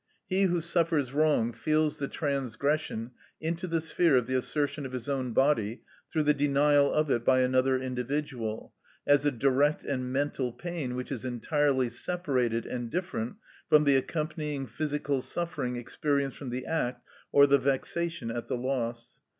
He who suffers wrong feels the transgression into the sphere of the assertion of his own body, through the denial of it by another individual, as a direct and mental pain which is entirely separated and different from the accompanying physical suffering experienced from the act or the vexation at the loss.